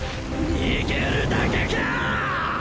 逃げるだけか！